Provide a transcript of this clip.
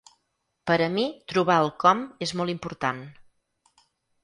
Per a mi trobar el com és molt important.